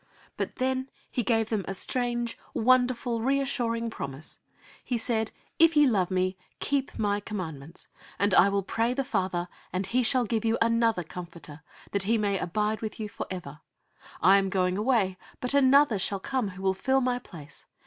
But then He gave them a strange, wonderful, reassuring promise: He said, "If ye love Me, keep My commandments. And I will pray the Father, and He shall give you another Comforter, that He may abide with you for ever" (John xiv. 15, 16). I am going away, but Another shall come, who will fill My place.